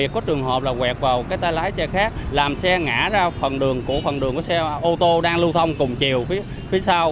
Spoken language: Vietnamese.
có trường hợp là quẹt vào cái tay lái xe khác làm xe ngã ra phần đường của phần đường của xe ô tô đang lưu thông cùng chiều phía sau